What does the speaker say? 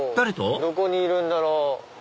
どこにいるんだろう？